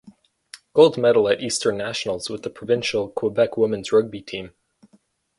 Gold Medal at Eastern Nationals with the Provincial Quebec Women’s Rugby team.